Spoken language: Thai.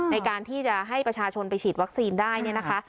ในการที่จะให้ประชาชนไปฉีดวัคซีนได้เนี่ยนะคะ